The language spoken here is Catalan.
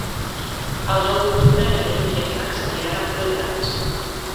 El nou d'octubre en Lluc i en Max aniran a Prullans.